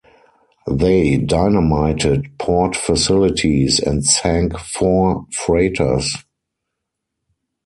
They dynamited port facilities and sank four freighters.